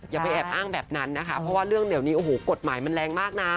อย่าไปแอบอ้างแบบนั้นนะคะเพราะว่าเรื่องเดี๋ยวนี้โอ้โหกฎหมายมันแรงมากนะ